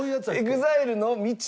ＥＸＩＬＥの『道』ですか？